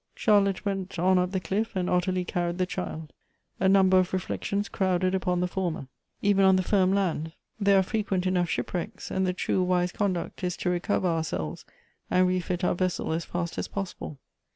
Charlotte went on up the cliff, and Ottilie carried the child. A number of reflections crowded upon the former. Even on the firm land there are frequent enough ship wrecks, and the true wise conduct is to recover ourselves, and refit our vessel as fast as possible.